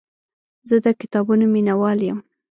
زه د کتابونو مینهوال یم.